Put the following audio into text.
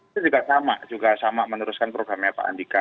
itu juga sama juga sama meneruskan programnya pak andika